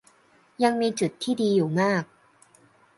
ยังมีจุดที่ดีอยู่มาก